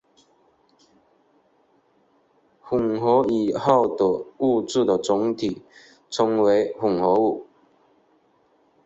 混合以后的物质的总体称作混合物。